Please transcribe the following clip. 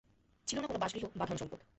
ছিল না কোন বাসগৃহ বা ধনসম্পদ।